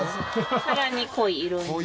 さらに濃い色に。